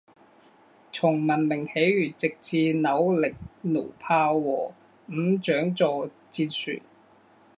从文明起源直至扭力弩炮和五桨座战船。